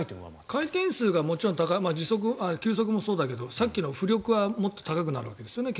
回転数が高い球速もそうだけどさっきの浮力はもっと高くなるわけですよね。